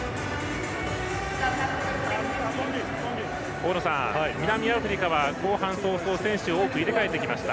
大野さん、南アフリカは後半早々選手を多く入れ替えてきました。